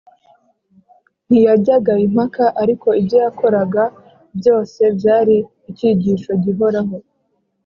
. Ntiyajyaga impaka, ariko ibyo yakoraga byose byari icyigisho gihoraho